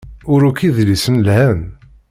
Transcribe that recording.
Ur akk idlisen lhan.